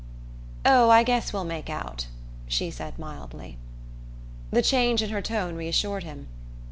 "Oh, I guess we'll make out," she said mildly. The change in her tone reassured him.